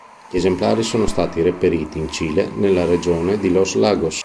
Gli esemplari sono stati reperiti in Cile, nella Regione di Los Lagos.